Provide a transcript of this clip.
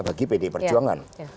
bagi pd perjuangan